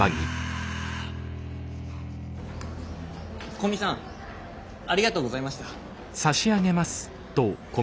古見さんありがとうございました。